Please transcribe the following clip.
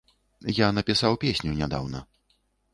Я напісаў песню нядаўна.